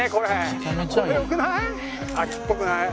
秋っぽくない？